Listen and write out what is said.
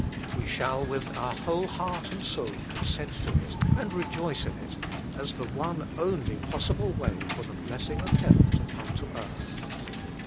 We shall with our whole heart and soul consent to it and rejoice in it, as the one only possible way for the blessing of heaven to come to earth.